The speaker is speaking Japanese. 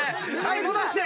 戻して！